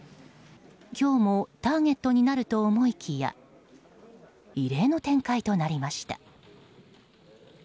今日もターゲットになると思いきや異例の展開となりました。